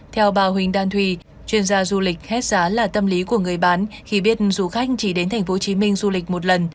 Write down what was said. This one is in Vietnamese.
theo bà huỳnh đan thùy chuyên gia du lịch hết giá là tâm lý của người bán khi biết du khách chỉ đến tp hcm du lịch một lần